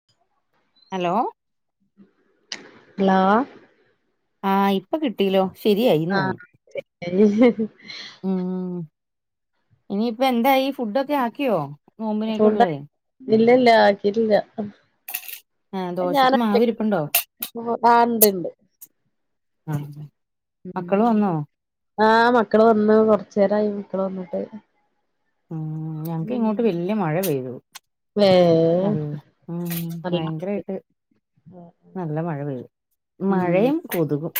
[inaudible] Hello hello ആ ഇപ്പൊ കിട്ടിലോ ശരിയായിന്നോന്നു [inaudible] ഉം ഇനിയിപ്പ എന്തായി ഫുഡൊക്കെ ആക്കിയോ നോമ്പിനേക് ഫുഡ് ഉള്ളത് ഇല്ലല്ല ആക്കിട്ട്ല്ല ആ ദോശയ്ക്ക് മാവിരിപ്പ്ണ്ടോ ആണ്ട്ണ്ട് ആ ആ മക്കള് വന്ന് കൊറച്ചേരായി മക്കള് വന്നിട്ട് ഉം ഞങ്ങക്ക് ഇങ്ങോട്ട് വല്ല്യ മഴ പെയ്തു ഏ നല്ല മ് നല്ല ഭയങ്കരായിട്ട് നല്ല മഴ പെയ്ത് ഉം മഴയും കൊതുകും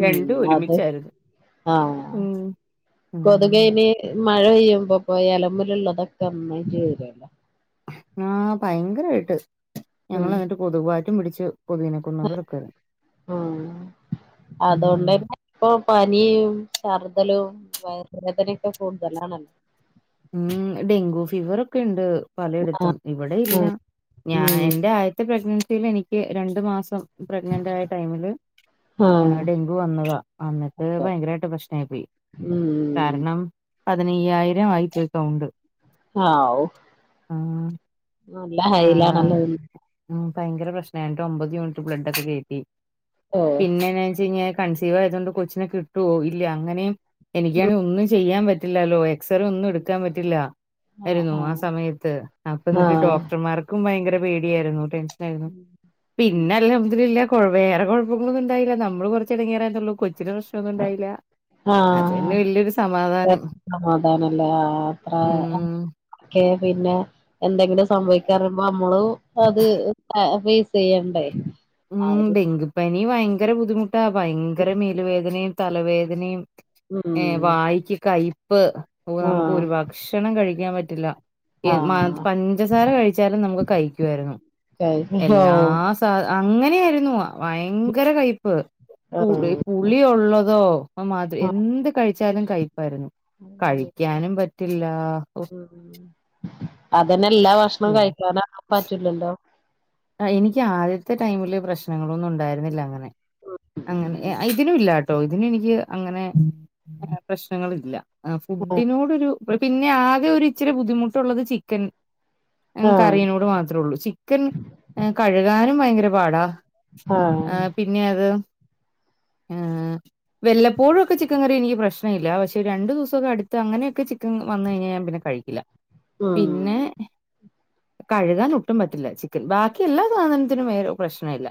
ഉം രണ്ടും അത് ഒരുമിച്ചാരുന്നു ഉം ഉം കൊതുകേനി മഴ പെയ്യുമ്പോപ്പോ ഇലമലള്ളതൊക്കെ ഒന്ന ചെയ്രുല്ലോ ആഹ് ഭയങ്കരായിട്ട് ഞങ്ങളെന്നിട്ട് കൊതുക് ബാറ്റും പിടിച്ചു കൊത്കിനെ ആഹ് ഉം അതോണ്ട് - പ്പൊ പനിയും ശർദലും വയറുവേദനൊക്കെ കൂടുതലാണ് ഉം ഡെങ്കു ഫീവറക്കെണ്ട് ആ പലയിടത്തും ഇവിടെ ഇല്ല ആഹ് ഞാൻ ഉം എന്റെ ആയ- ന്റെ പ്രഗ്നൻസിയിൽ എനിക്ക് രണ്ടു മാസം പ്രഗ്നന്റ് ആയ ടൈമില് ആഹ് ഡെങ്കു വന്നതാ അന്നിട്ട് ഭയങ്കരായിട്ട് പ്രശ്നായി പോയി ഉം കാരണം പതിനയ്യായിരം ആയിപ്പോയ് കൗണ്ട് ആഹ് ല്ല ഹൈലണല്ല ഭയങ്കര പ്രശ്നായിട്ട് ഒമ്പത് യൂണിറ്റ് ബ്ലഡൊക്കെ കയറ്റി ഓ പിന്നെ വെച്ച കഴിഞ്ഞാ കൺസീവ് ആയത് കൊണ്ട് കൊച്ചിനെ കിട്ടുവോ ഇല്ല അങ്ങനെയും എനിക്കാണ് ഒന്നും ചെയ്യാൻ പറ്റില്ലല്ലോ ക്സറ ഒന്നും എടുക്കാൻ ആഹ് പറ്റില്ലരുന്നു ആഹ് ആ സമയത്ത് അപ്പന്നിട്ട് ഡോ ആഹ് ക്ടമാർമാർക്കും ഭയങ്കര പേടിയായിരുന്നു ടെൻഷനായിരുന്നു ഉം പിന്നൽഹംദുലില്ലാ- കുഴ വേറെ കുഴപ്പങ്ങളൊന്നും ഉണ്ടായില്ല നമ്മള് കുറച്ച് ഇടങ്ങിയറന്നള്ളൂ കൊച്ചി പ്രശ്നൊന്നും ഉണ്ടായില്ല അത് തന്നെ വല്യൊരു ആഹ് സമാധാനം. സമാധാനല്ലേ ആ അത്ര- ഉം ക്കെ പിന്നെ എന്തെങ്കിലും സംഭവിക്കാറുമ്പോ നമ്മള് അത് ഫേസ്യ്യണ്ടേ ഉം ഡെങ്കിപ്പനി ഭയങ്കര ബുദ്ധിമുട്ടാ ഭയങ്കര മേല് വേദനയും തലവേദനയും ഏ ഉം വായിക്ക് കയ്പ്പ് നമുക്ക് ഒരു ആഹ് ഭക്ഷണം കഴിക്കാൻ പറ്റില്ല ഏ മ ആഹ് പഞ്ചസാര കഴിച്ചാലും നമുക്ക് കയ്ക്കുആരുന്നു ഓ എല്ലാ സാധ അങ്ങനെയാരുന്നു ഭയങ്കര കയ്പ്പ് പു ആഹ് പുളി ഉള്ളതോ പ്പമദ് എന്ത് കഴിച്ചാലും കയ്പ്പായിരുന്നു കഴിക്കാനും പറ്റില്ല അതന്നെ എല്ലാ ഭക്ഷണം കഴിക്കാന പറ്റൂല്ലല്ലോ എനിക്ക് ആദ്യത്തെ ടൈമില് പ്രശ്നങ്ങളൊന്നും ഉണ്ടായിരുന്നില്ല അങ്ങനെ അങ്ങനെ ആഹ് ഇതിനും ഇല്ലട്ടോ ഇതിനെനിക്ക് അങ്ങനെ പ്രശ്നങ്ങളില്ല ആഹ് ഫുഡിനോടൊരു പിന്നെ ആകെ ഒരു ഇച്ചിരി ബുദ്ധിമുട്ടുള്ളത് ചി- ക്കൻ ആഹ് കറീനോട് മാത്രമേ ഉള്ളൂ ചിക്കൻ- കഴുകാനും ഭയങ്കര പാടാ ആ പിന്നെ അത് [inaudible] വല്ലപ്പോഴൊക്കെ ചിക്കൻ കറി എനിക്ക്ശ്നമില്ല പക്ഷ ഒരു രണ്ട് ദിവസൊക്കെടുത്ത് അങ്ങനെയൊക്കെ ചിക്കൻ വന്ന് കഴിഞ്ഞാൽഞാൻ പിന്നെകഴിക്ക് ക്കില്ല ഉം പിന്നെ കഴുകാൻ ഒട്ടും പറ്റില്ല ചിക്കൻ ബാക്കി എല്ലാ സാധനത്തിനും പ്രശ്ന ഇല്ല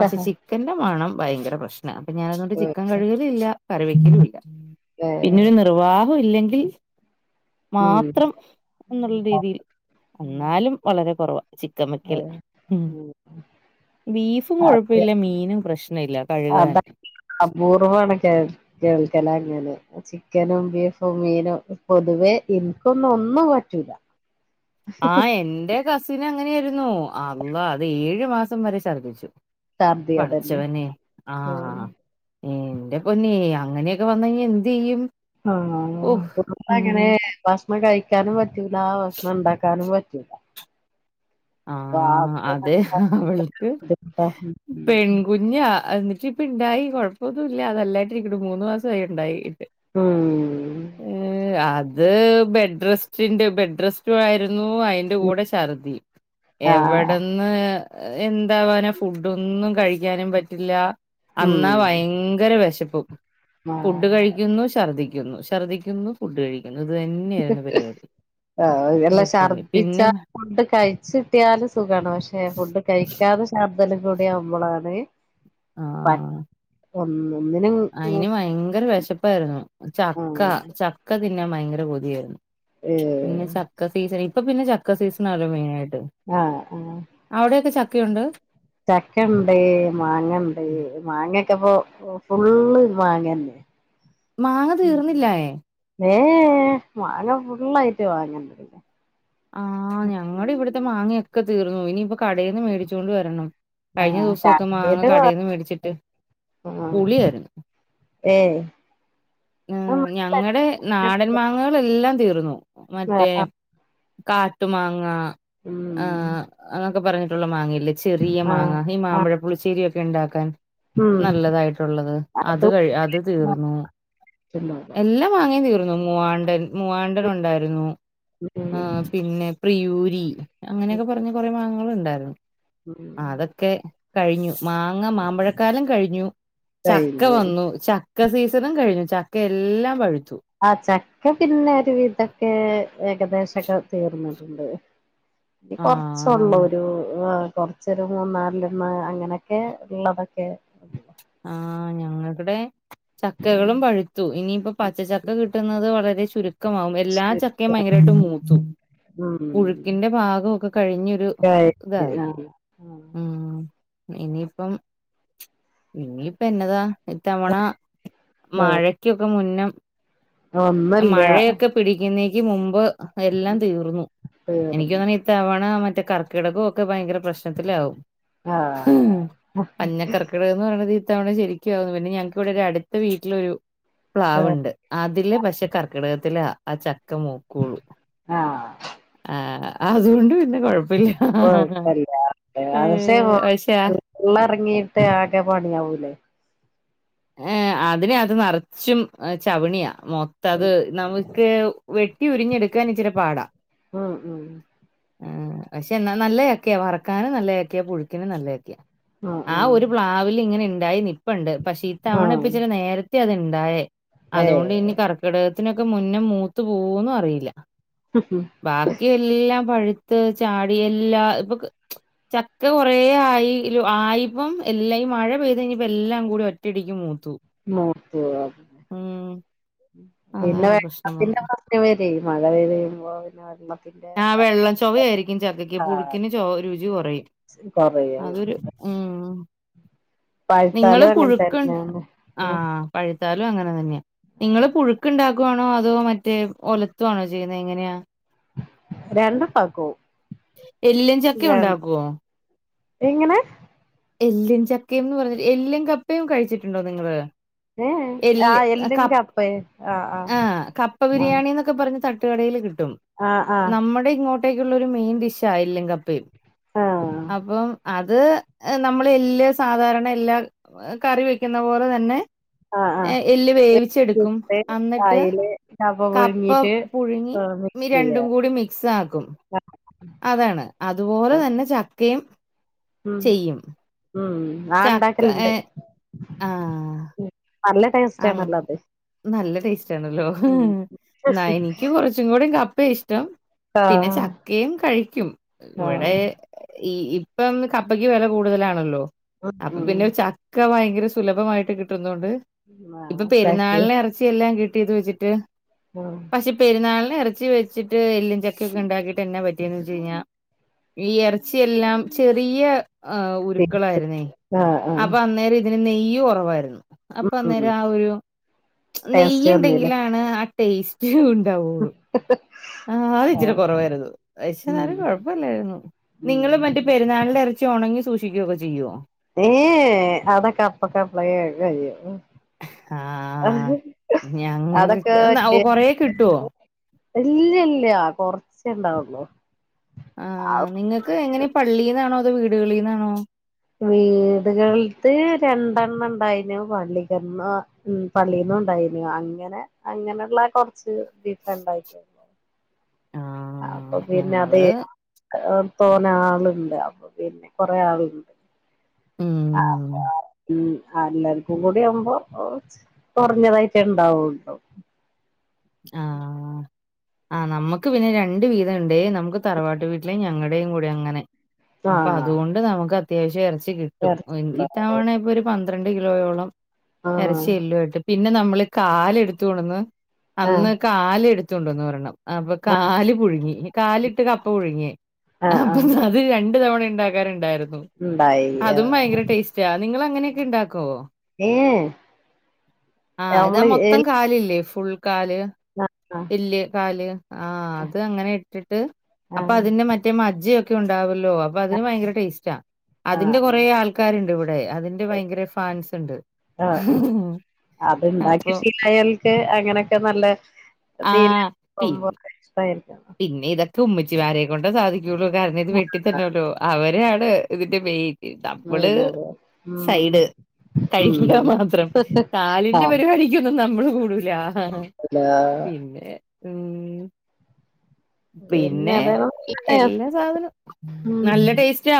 പക്ഷെ ചിക്കന്റെ മണം ഭയങ്കര പ്രശ്ന- അപ്പൊ ഞാനോട്ട്ചിക്കൻ കഴുകലല്ല കറിവെക്കലുല്ല പിന്നെ ഒരു - നിർവാഹം ഇല്ലെങ്കിൽ- മാത്രം എന്നുള്ള രീതിയിൽ എന്നാലും വളരെ കുറവ ചി ക്കൻ വെക്കല് ഉം ബീഫും അതെ അത് കൊഴപ്പില്ല മീനും പ്രശ്നമില്ല കഴ് അത അപൂർവ്വമാണ് കേ കേൾക്കല അങ്ങനത് ചിക്കനും ബീഫും മീനും പൊതുവേ എനിക്കൊന്നും ഒന്നും പറ്റൂല ആഹ് എന്റെ കസിന് അങ്ങനെയായിരുന്നു അള്ളാ അത് ഏഴു മാസം വരെ ശർദിച്ചു ഛർദി അതന്നെ പടച്ചവനെ ആഹ് മ് എന്റെ പൊന്നേ അങ്ങനെയൊക്കെ വന്ന് കഴിഞ്ഞാ എന്ത് ചെയ്യും ആഹ് ഓഹ് [unintelligible] ഉം ങ്ങനെ ഭക്ഷണം കഴിക്കാനും പറ്റൂലാ ഭക്ഷണം ഉണ്ടാക്കാനും പറ്റൂല വാ ആഹ് അതെ അവൾക്ക് പെൺകു കുഞ്ഞാ എന്നിട്ട് ഇപ്പ ഇണ്ടായി കൊഴപ്പമൊന്നും ഇല്ല നല്ലായിട്ട് ഇരിക്കും മൂന്നു മാസമായി ഉണ്ടായിട്ട് ഉം ഏ അത് ബെഡ് റെസ്റ്റ് ഉണ്ട് ബെഡ് റെസ്റ്റ്മായിരുന്നു അതിന് ൻ്റെകൂടെ ഛർദ്ദി- ആഹ് എവിടന്ന് എന്താവാനോ ഫുഡൊന്നും കഴിക്കാനും പറ്റില്ല അന്നാ ഉം ഭയങ്കര വെശപ്പും ആ ഫുഡ് കഴിക്കുന്നു ശർദ്ദിക്കുന്നു ശർദ്ദിക്കുന്നു ഫുഡ് കഴിക്കുന്നു ഇത് തന്നെയായിരുന്നു പരിപാടി എല്ലാം ഇൻ്റെ പൊന്നെ പിന്നെ ഛർദിച്ചാ ഫുഡ് കഴിച്ച് കിട്ടിയാല് സുഖാണ് പക്ഷേ ഫുഡ് കഴിക്കാതെ ശർദലും കൂടി ആവുമ്പളാണ് ആഹ് [unintelligible] ഒന്ന് ഒന്നിന് അയിന് ഭയങ്കര വെശപ്പായിരുന്നു ആ ചക്ക ചക് ചക്ക തിന്നാൻ ഭയങ്കര കൊതിയായിരുന്നു ഏ പിന്നെ ചക്ക് ചക്ക സീസൺ ഇപ്പൊ പിന്നെ ചക്ക സീസണ ആല്ലോ മെയിനായിട്ട് ആഹ് ആഹ് അവിടെയൊക്കെ ചക്കയൊണ്ട് ചക്കയൊണ്ട് മാങ്ങണ്ട് മാങ്ങ ഒക്കെപ്പൊ ഫുള്ള് മാങ്ങന്നെയാ [inaudible] മാങ്ങ തീർന്നില്ലായെ ഏഹ് മാങ്ങ ഫുള്ളായിട്ട് മാങ്ങേന്നെയല്ലേ ആഹ് ഞങ്ങടെ ഇവിടുത്തെ മാങ്ങയൊക്കെ തീർന്നു ഇനിപ്പോ കടേന്ന് മേടിച്ചോണ്ട് വരണം ആ കഴിഞ്ഞ ദിവസൊക്കെ മാങ്ങ കടേന്ന് മേടിച്ചിട്ട് ആഹ് പുളിയായിരുന്നു ഏഹ് ആഹ് ഞങ്ങടെ നാടൻ മാങ്ങകളെല്ലാം തീർന്നു ആ മറ്റേ കാട്ടു മാങ്ങാ ഉം ആഹ് അന്നൊക്കെ പറഞ്ഞിട്ടുള്ള മാങ്ങല്ലേ ചെറിയ ആ മാങ്ങ ഈ ആ മാമ്പഴ പുളിശേരിയൊക്കെ ഇണ്ടാക്കാൻ ഉം നല്ലതായിട്ടുള്ളത് അത് അതും കഴി അത് തീർന്നു മറച്ചുള്ളത്. എല്ലാ മാങ്ങേ തീർന്നു മൂവാണ്ടൻ മൂവാണ്ടൻ ഒണ്ടായിരുന്നു ഉം ആഹ് പിന്നെ പ്രിയൂരി അങ്ങനെയൊക്കെ പറഞ്ഞ് കൊറെ മാങ്ങകൾ ഇണ്ടായിരുന്നു ഉം ആഹ് അതൊക് ക്കെ കഴിഞ്ഞു മാങ്ങ മാമ്പഴക്കാലം കഴിഞ്ഞു ചക്ക കഴിഞ്ഞു വന്നു ചക്ക് ചക്ക സീസണും കഴിഞ്ഞു ചക്ക എല്ലാം പഴുത്തു ആഹ് ചക്ക പിന്നെ ഒരു വിധം ഒക്കെ ഏകദേശൊക്കെ തീർന്നിട്ടുണ്ട് ഇനി ആഹ് കൊറോച്ചൊള്ളു നമ്മ ഒരു ആഹ് കൊറ് ച്ചൊരു മൂന്നാലെണ്ണം അങ്ങനെയൊക്കെ ഇള്ളതൊക്കെ ആഹ് ഞങ്ങളെടേം ചക്കകളും പഴുത്തു ഇനിയിപ്പം പച്ച ചക്ക കിട്ടുന്നത് വളരെ ചുരുക്കമാവും എല്ലാ ചക്കയും ഭയങ്കരായിട്ട് മൂത്തു ഉം പുഴുക്കിന്റെ പാകൊക്കെ കഴിഞ്ഞൊരു ഇതായി കഴിഞ്ഞ് ഉം ഇനിയിപ്പം ഇനിയിപ്പ എന്നതാ ഇത്തവണ ആ ആ മഴക്കൊക്കെ മുന്നെ ഒന്നുല്ല മഴയൊക്കെ പിടിക്കുന്നേക്ക് മുമ്പ് എല്ലാം തീർന്നു എനിക്ക്‌ തീർന്ന് തോന്നണ് ഈ തവണ മറ്റേ കർക്കിടകവും ഒക്കെ ഭയങ്കര പ്രശ് നത്തിലാവും ആ പഞ്ഞ കർക്ക ക്കടമെന്നു പറയണത് ഇത്തവണ ശരിക്കും ആന്നു പിന്നെ ഞങ്ങക്കിവിടെ ഒരു അടുത്ത വീട്ടിലൊരു ആ പ്ലാവുണ്ട് അതില് പക്ഷെ കർക്കിടകത്തിലയ ആ ചക്ക മൂക്കുള്ളു ആ ആഹ് അതുകൊണ്ട് പിന്നെ കൊഴപ്പല്ല പ്പ കൊഴപ്പല്ലാ അതെ ഷെ പക്ഷെ ആ വെള്ളം എറങ്ങിയിട്ട് ആകെ പണിയാവൂലേ ഏഹ് അതിന് അത് നറച്ചും ചവണിയാ മൊത്തത് നമ്മക്ക് ക്ക്‌ വെട്ടി ഉരിഞ്ഞെടുക്കാൻ ഇച്ചിരി പാടാ ഉം ഉം ആഹ് പക്ഷെ എന്നാ നല്ല ചക്കയാ വറക്കാനും നല്ല ചക്കയാ പുഴുക്കിനും നല്ല ചക്കയാ ആഹ് ആ ഒരു പ്ലാവില് ഇങ്ങനെ ഇണ്ടായി നിപ്പുണ്ട് പക്ഷേ ആഹ് ഇത്തവണ ആഹ് ഇപ്പച്ചിരെ നേരത്തെ അത്ണ്ടായേ അതുകൊണ്ട് ഇനി ഏഹ് കർക്ക് ക്കിടകത്തിനൊക്കെ മുന്നേ മൂത്ത് പോവോന്നും അറിയില്ല ഹ് ഹ് ബാക്കി എല്ലാം പഴുത്ത് ചാടി, എല്ലാം ഇപ്പൊക്ക് ചക്ക കൊറേ ആയി ൽ ആയിപ്പം എല്ലെയ് മഴ പെയ്തഴിഞ്ഞപ്പം എല്ലാം കൂടി ഒറ്റ് റ്റിടിയ്ക്ക് മൂത്തു. മൂത്തൂ [unintelligible] ഉം പിന്നെ [unintelligible] അതാണ് [unintelligible] പ്രശ്നം വന്ന് മഴയൊക്കെ പെയ്യുമ്പോ പിന്നെ [unintelligible] ആ വെള്ളച്ചൊവയായിരിക്കും ചക്കയ്ക്ക്. പുഴുക്കിന് ആഹ് ചുവ രുചി കൊറയും. കൊറയും അതൊര് നിങ്ങള് പഴുത്താലും അങ്ങനെ പുഴുക്ക്ണ്ട തന്നെയാണ് ആഹ് പഴുത്താലും അങ്ങനെ തന്ന്യാ. നിങ്ങള് പുഴുക്ക്‌ണ്ടാക്കുവാണോ അതോ മറ്റേ ഒലത്തുവാണോ ചെയ്യുന്നേ എങ്ങനെയാ? രണ്ടു പാക്കോ [unintelligible] എല്ലിൻ ചക്കയുണ്ടാക്കോ? എങ്ങനെ? എല്ലും ചക്കയുംന്ന് പറഞ്ഞ് എല്ലും കപ്പയും കഴിച്ചിട്ടുണ്ടോ നിങ്ങള്? ഏഹ് ഏഹ് എല്ല് ആഹ് എല്ലും കപ്പയും ആഹ് ആഹ്. പ്പ ബിരിയാണി ന്നൊക്കെ പറഞ്ഞ് തട്ടുകടയില് കിട്ടും. ആഹ് ആഹ് നമ്മടെ ഇങ്ങോ ട്ടേയ്ക്കുള്ളൊരു മെയിൻ ഡിഷാ എല്ലും കപ്പയും. ആഹ് അപ്പം അത് നമ്മള് എല്ല് സാധാരണ എല്ലാ കറി വെയ്ക്കുന്ന പോലെ തന്നെ ആഹ് ആഹ് ആഹ് ഏഹ്, എല്ല് വേവിച്ചെട്ക്കും. വെച്ചിട്ട് അന്നിട്ട് അയില് കപ്പ പുഴുങ്ങീട്ട് പുഴുങ്ങി മിക്സ് ചെയ്യ ഞ്ഞിരണ്ടും കൂടിം മിക്സാക്കും. അതാണ് അത്പോലെ തന്നെ ചക്കയും ഉം, ചെയ്യും ഉം. ആഹ് ചക്ക ഉണ്ടാക്കലുണ്ട് ഏഹ് ആഹ്. [unintelligible] ആം, ആണല്ലോ അത് നല്ല ടേസ്റ്റാണല്ലോ, ഉം ന്നാ എനിയ്ക്ക് കൊറച്ച് ച്ചും കൂടി കപ്പ്യാ ഇഷ്ടം. പിന്നെ ആഹ് ചക്കയും കഴിയ്ക്കും. വടെ ആഹ് ഈ ഇപ്പം കപ്പയ്ക്ക് വെല കൂട്തലാണല്ലോ അപ്പൊ ഉം പിന്നെ ച ക്ക വയങ്കര സുലഭമായിട്ട് കിട്ടുന്നോണ്ട് ഇപ്പം ആഹ് ചാക്ക് പെര്ന്നാൾന് എർച്ചിയെല്ലാം കിട്ടിയത് വെച്ചിട്ട് ആഹ് പഷേ പെരുന്നാൾന് എറച്ചി വെച്ചിട്ട് എല്ലും ചക്കൊക്കെ ണ്ടാക്കീട്ട് എന്നാ പറ്റിയെന്ന് വെച്ച് കയ്ഞ്ഞാ ഈ എറച്ചിയെല്ലാം ചെറിയ ആഹ്, ഉരുക്കളായിര്ന്നേ ആഹ് ആഹ് അപ്പം അന്നേരം ഇതിന് നെയ്യ് കൊറവായിര്ന്ന്. പ്പ ഉം ഉം അന്നേരം ആ ഒരു ടേസ്റ്റ് വന്നീല്ലേ നെയ്യ്ണ്ടെങ്കിലാണ് ആ ടേയ്സ്റ്റ് ഉണ്ടാവുള്ളൂ. ഹ് ഹ്. ആഹ്, അയ്ച്ചിരി കുറവായിരുന്നു. ഉം [unintelligible] [unintelligible] കൊഴ അപ്പല്ലായിര്ന്നു. ഉം നിങ്ങള് മറ്റെ പെര്ന്നാൾന്റെ എർച്ചി ഉണങ്ങി സൂക്ഷിക്കൊക്കെ ചെയ്യോ? ഏയ് ഏ അതൊക്കപ്പക്കപ്പളെ [unintelligible] കഴിയും. അഹ് ആഹ് ഹ, അതൊക്കെ ഞങ്ങൾക്ക് കൊറേ കിട്ടുവോ [unintelligible] ഇല്ല്യല്ല്യാ. കൊറച്ചെണ്ടാവ്ള്ളു. ആഹ്, നിങ്ങക്ക് എങ്ങനെ പള്ളീന്നാണോ അതോ വീടുകളീന്നാണോ? വീട്കൾത് രണ്ടെണ്ണംണ്ടായിനു പള്ളികന്നാ ഉം, പള്ളീന്നൂണ്ടായിന്നു അങ്ങനെ അങ്ങനെള്ള കൊർച്ച് ബീഫണ്ടായി [unintelligible] അപ്പൊ ആഹ് പിന്നെ അതേ ഞങ്ങള് ഏ തോന ആള്ണ്ട്. അപ്പൊ പിന്നെ കൊറേ ആള്ണ്ട്. ആഹ് ഉം. [unintelligible] ഉം. ആല്ലാര്ക്കും കൂട്യാവുമ്പോ ഓച്ച് കൊർഞ്ഞതായിട്ടെ ണ്ടാവൊള്ളൂ. ഉം. ആഹ്. ആ നമ്മക്ക് പിന്നെ രണ്ട് വീതണ്ട്. നമുക്ക് തറവാട്ട് വീട്ടിലേം ഞങ്ങടേയും കൂടി അങ്ങനെ. അപ്പ ആഹ് അതുകൊണ്ട് നമുക്ക് അത്യാവശ്യറച്ചി കിട്ടും. ഉം ഇറച്ചിണ്ടാ ഇത്തവണപ്പൊരു പന്ത്രണ്ട് കിലോയോളം എറച്ചി ആഹ് എല്ലു ആയ്ട്ട് പിന്നെ നമ്മള് കാല്ട്ത്ത് കൊണ്ട്ന്ന് ആഹ് അന്ന് കാല്ട്ത്തൊണ്ടൊന്ന് ഒരണ്ണം. അപ്പൊ ആഹ് കാല് പുഴുങ്ങി, കാലിട്ട് കപ്പ പുഴുങ്ങി. ആഹ് അപ്പൊ ആഹ് അത് രണ്ട് തവണ ഇണ്ടാക്കാന്ണ്ടായിര്ന്നു. ഉണ്ടായി അതും ഏഹ് വയങ്കര ടേയ്സ്റ്റാ നിങ്ങളങ്ങനെക്കെ ണ്ടാക്കോ? ഏഹ് ആഹ് ഇത നമ്മള് മൊത്തം കാലില്ലേ ഫുൾ കാല് ആഹ് ആഹ് എല്ല് കാല് ആഹ് അത് അങ്ങനെ ഇട്ടിട്ട് അപ്പൊ ആഹ് അതിന്റെ മറ്റേ മജ്ജിയ ക്കെ ണ്ടാവോല്ലോ അതിന് വയങ്കര ടേസ്റ്റ അതിന്റെ ആഹ് കുറെ ആഹ് ആൾക്കാര് ണ്ട് ഇവടെ അതിന്റെ വയങ്ക ഫാൻസ് ണ്ട് ആഹ് ആഹ് അത്ണ്ടാക്കി ശീലായാൽക്കെ അങ്ങനെക്കെ നല്ലേ തീല് ആഹ് പി വമ്പ നഷ്ടായിരിക്കും പിന്നെ ഇതൊക്കെ ഉമ്മിച്ചി മാരെക്കൊണ്ട സധിക്കൊള്ളൂ കാരണം ഇത് വെട്ടി തെരണല്ലോ അവരാണ് ഇതിന്റെ മെയിൻ നമ്മള് പിന്നത് ഉം സൈഡ് ഉം കഴികമാത്രം കാലിന്റെ പരിപാടി ക്കൊന്നും നമ്മള് കൂടൂല അല്ല പിന്നെ ഉം പിന്നെ അതാണ് നല്ല ടേസ്റ്റ് എല്ലാ ഉം സാധനം നല്ല ടേസ്റ്റാ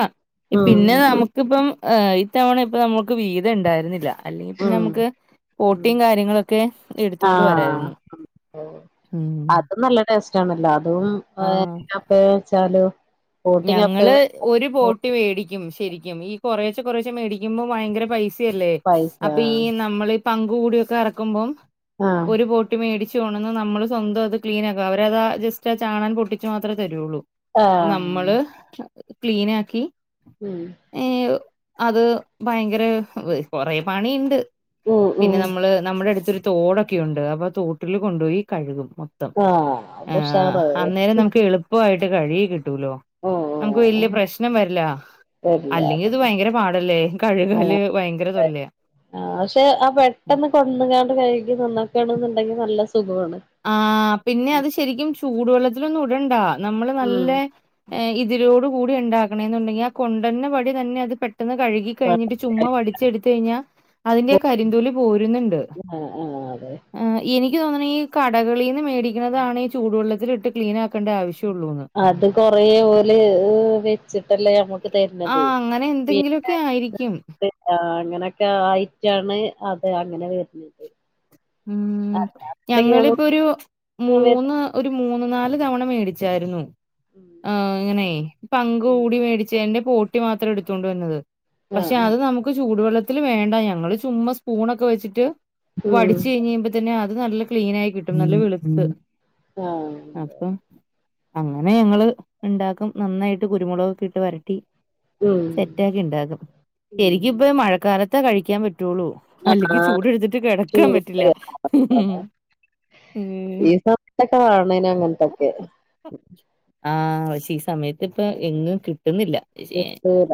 ഉം പിന്നെ നമു ഇക്ക് പ്പം ഇത്തവണ ഇപ്പ നമ്മക്ക് വീതം ണ്ടായിര്ന്നില്ല അല്ലെങ്കി പിന്നെ ഉം നമുക്ക് ഉം പോട്ടിം കാര്യങ്ങളൊക്കെ എടുത്തൊണ്ട് ആഹ് വരായിരുന്നു ഉം അതും നല്ല ടേസ്റ്റ് ആണല്ലോ അതുംപ്പ ആഹ് പ്പാ വെച്ചാല് ബോട്ടി കപ്പ ഞങ്ങള് ഒരു പോട്ടി മേടിക്കും ശരിക്കും ഈ കൊറേച്ച കുറേശ മേടിക്കുമ്പ ഭയങ്കര പൈസ യല്ലേ പൈസ അപ്പ ഈ നമ്മൾ പങ്ക് കൂടി ഒക്കെ ഇറക്കുമ്പ ആഹ് ഒട്ട് മേടിച്ചു കൊണന്ന് നമ്മള് സ്വന്തം അത് ക്ലീൻ ആക്കും അവരത് ജസ്റ്റ് ആ ചാണൻ പൊട്ടിച്ചു മാത്രേ തരുള്ളൂ ആഹ് മ്മള് ക്ലീനാക്കി ഉം ഏഹ് അത് ഭയങ്കര കൊറെ പണിണ്ട് ഉം പിന്നെ ഉം നമ്മള് നമ്മുടെ അടുത്തരു തോടൊക്കെയുണ്ട് അപ്പൊ തോട്ടിൽ കൊണ്ടോയി കഴുകും ആഹ് അപ്പൊ ആഹ് ഉഷാറായി അന്നേരം നമക്ക് എളുപ്പവായിട്ട് കഴുകി കിട്ടൂലോ നമുക്ക് വല്യ ഉം പ്രശ്നം വരില്ല വരില്ല അല്ലെങ്കിത് അതന്നെ ഭയങ്കര പാടല്ലേ കഴുകല് ഭയങ്കര തൊല്ലയാ ആ പക്ഷെ ആ പെട്ടെന്ന് കൊണ്ടന്ന്ക്കാണ്ട് കഴുകി തിന്നക്കാണ്ന്നുണ്ടെങ്കി നല്ല സുഖാണ് ആ പിന്നെ അത് ശരിക്കും ചൂടുവെള്ളത്തിലൊന്നും ഇടണ്ട നമ്മള് ഉം നല്ല ഏ ഇതിലോടു കൂടി ഉണ്ടാക്കണെന്നുണ്ടെങ്കി ആ കൊണ്ടന്ന പടി തന്നെ അത് പെട്ടെന്ന് കഴുകി കഴിഞ്ഞിട്ട് ചുമ്മ വടിച്ചെടുത്ത് കഴിഞ്ഞാ അതിന്റെ കരിന്തൊലി പോരുന്നുണ്ട് ആ ആ അതെ ആ എനിക്ക് തോന്നുന്നു ഈ കടകളിന്ന് മേടിക്കുന്നതാണ് ഈ ചൂടുവെള്ളത്തിൽ ഇട്ട് ക്ലീൻ ആക്കേണ്ട ആവശ്യള്ളൂന്ന് അത് കൊറേ ഓല് വെ ച്ചിട്ടല്ലേ നമുക്ക് തരുന്നത് ആഹ് അങ്ങനെ എന്തെങ്കിലുമൊക്കെ ആയിരിക്കും പിന്നെ ആ അങ്ങനെയൊക്കെ ആയിട്ടാണ് അത് അങ്ങനെ വരുന്നത് ഉം അല്ലെങ്കി നമുക്ക് ഞങ്ങളിപ്പോരു സമയത്ത് മൂന്ന് ഒരു മൂന്ന് നാല് തവണ മേടിച്ചായിരുന്നു ഉം ആ ഇങ്ങനെ പങ്ക് ഉം കൂടി മേടിച്ചേന്റെ പോട്ടി മാത്രം എടുത്തൊണ്ട് വന്നത് ആ പക്ഷെ ആ അത് നമുക്ക് ചൂടുവെള്ളത്തിൽ വേണ്ട ഞങ്ങള് ചുമ്മ സ്പൂണ്ടൊക്കെ വെച്ചിട്ട് വടി ഉം പ്പതന്നെ അത് നല്ല ക്ലീനായി കിട്ടും നല്ല വളുപ്പ് ആ അപ്പൊ അങ്ങനെ ഞങ്ങള്ണ്ടാക്കും നന്നായിട്ട് കുരുമുളകൊക്കെ ഇട്ട് വരട്ടി ഉം സെറ്റാക്കിണ്ടാകും ശരിക്കുപ്പോ ഉം മഴക്കാലത്താ കഴിക്കാൻ പ ച്ചൊള്ളൂ ആ അല്ലെങ്കി ചൂട് എടുത്തിട്ട് കിടക്കാൻ ചൂട് പറ്റില്ല ഉം ഈ സമയത്തൊക്കെ കാണാ അയിന് അങ്ങനത്തൊക്കെ ആ പക്ഷെ ഈ സമയത്ത് ഇപ്പ എങ്ങും കിട്ടുന്നില്ല [unintelligible]